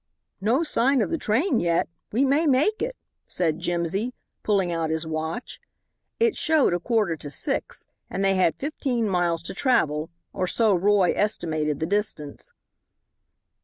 "No sign of the train yet we may make it," said Jimsy, pulling out his watch. It showed a quarter to six, and they had fifteen miles to travel, or so Roy estimated the distance.